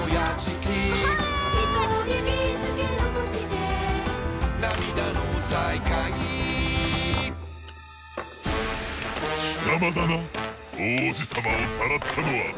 きさまだな王子様をさらったのは。